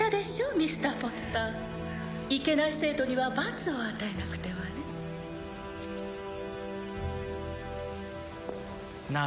ミスターポッターいけない生徒には罰を与えなくてはねなあ